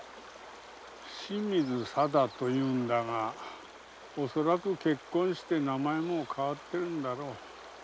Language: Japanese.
清水さだというんだが恐らく結婚して名前も変わってるんだろう。